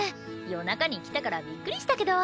夜中に来たからびっくりしたけど。